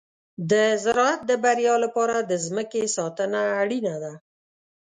د زراعت د بریا لپاره د مځکې ساتنه اړینه ده.